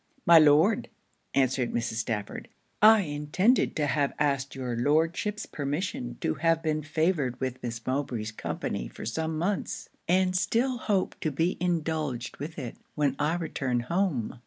'My Lord,' answered Mrs. Stafford, 'I intended to have asked your Lordship's permission to have been favoured with Miss Mowbray's company for some months; and still hope to be indulged with it when I return home.